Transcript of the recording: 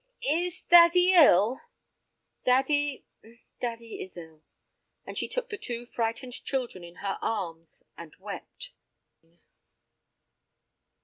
"Is daddy ill?" "Daddy—daddy is ill," and she took the two frightened children in her arms, and wept.